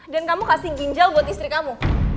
dan kamu kasih ginjal buat istri kamu